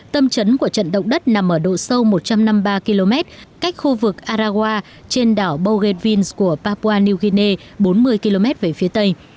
tâm trấn của trận động đất nằm ở độ sâu một trăm năm mươi ba km cách khu vực aragua trên đảo boghetins của papua new guinea bốn mươi km về phía tây